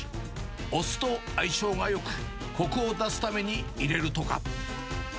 お酢と相性がよく、こくを出すために入れるとか。